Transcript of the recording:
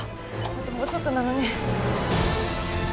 あともうちょっとなのに。